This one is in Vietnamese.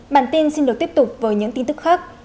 bản tin xin được tiếp tục với những tin tức khác